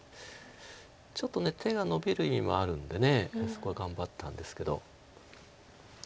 ちょっと手がのびる意味もあるんでそこは頑張ったんですけど。